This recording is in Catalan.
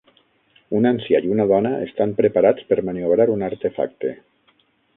Un ancià i una dona estan preparats per maniobrar un artefacte.